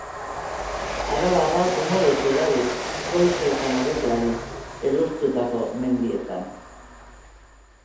Arabarra umoretsu dabil, goizeetan abeslari, elurtutako mendietan.